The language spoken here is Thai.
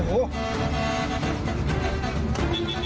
โอ้โห